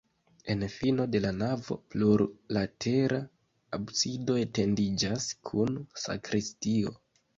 En fino de la navo plurlatera absido etendiĝas kun sakristio.